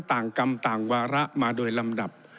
ต่างกรรมต่างวาระมาโดยลำดับ